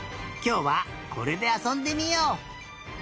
きょうはこれであそんでみよう。